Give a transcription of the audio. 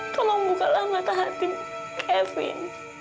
tolong bukalah mata hati kevin